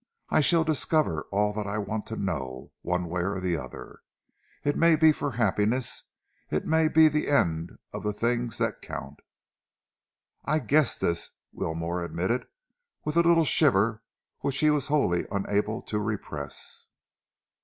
I shall discover all that I want to know, one way or the other. It may be for happiness it may be the end of the things that count." "I guessed this," Wilmore admitted, with a little shiver which he was wholly unable to repress.